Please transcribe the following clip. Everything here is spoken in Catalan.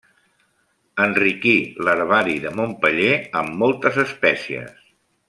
Enriquí l'herbari de Montpeller amb moltes espècies.